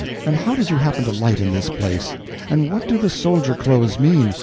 And how did you happen to light in this place? And what do the soldier clothes mean?